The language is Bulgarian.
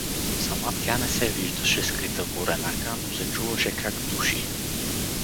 Сама тя не се виждаше, скрита в буренака, но се чуваше как души.